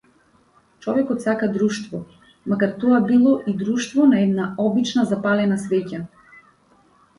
Човекот сака друштво, макар тоа било и друштвото на една обична запалена свеќа.